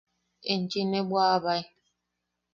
–Enchi ne bwaʼabae.